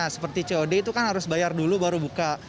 seperti cod itu kan harus bayar dulu baru buka